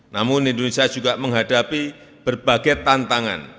namun indonesia juga menghadapi berbagai tantangan